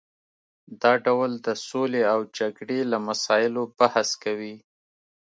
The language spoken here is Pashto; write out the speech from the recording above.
دا ډول د سولې او جګړې له مسایلو بحث کوي